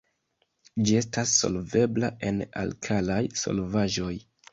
Ĝi estas solvebla en alkalaj solvaĵoj.